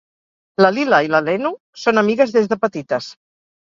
La Lila i la Lenu són amigues des de petites.